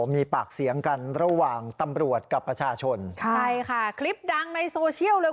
มีปากเสียงกันระหว่างตำรวจกับประชาชนใช่ค่ะคลิปดังในโซเชียลเลย